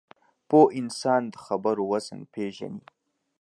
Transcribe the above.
پوه انسان د خبرو وزن پېژني